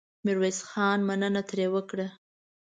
ميرويس خان مننه ترې وکړه.